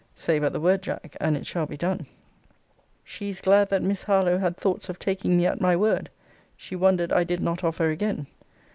Say but the word, Jack, and it shall be done. 'She is glad that Miss Harlowe had thoughts of taking me at my word. She wondered I did not offer again.'